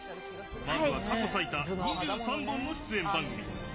まずは過去最多２３本の出演番組。